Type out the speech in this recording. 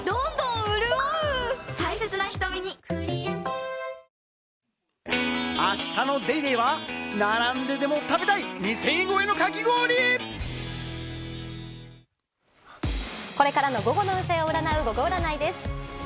サントリーこれからの午後の運勢を占うゴゴ占いです。